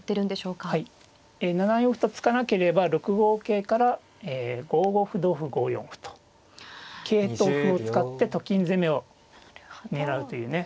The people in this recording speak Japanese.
７四歩と突かなければ６五桂から５五歩同歩５四歩と桂と歩を使ってと金攻めを狙うというね。